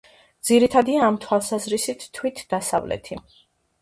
ძირითადია ამ თვალსაზრისით თვით დასავლეთი.